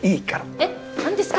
えっ何ですか？